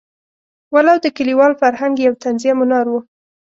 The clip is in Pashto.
ولو د کلیوال فرهنګ یو طنزیه منار وو.